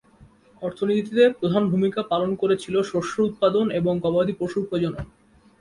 অর্থনীতিতে প্রধান ভূমিকা পালন করেছিল শস্য উৎপাদন এবং গবাদি পশুর প্রজনন।